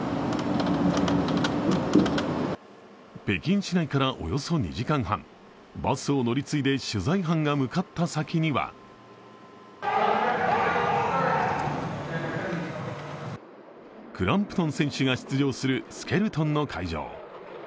北京市内からおよそ２時間半バスを乗り継いで取材班が向かった先にはクランプトン選手が出場するスケルトンの会場。